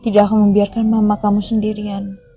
tidak akan membiarkan mama kamu sendirian